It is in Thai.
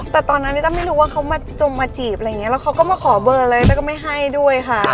แต่ตอนนั้นลิต้าไม่รู้ว่าเขามาจงมาจีบอะไรอย่างนี้แล้วเขาก็มาขอเบอร์เลยแล้วก็ไม่ให้ด้วยค่ะ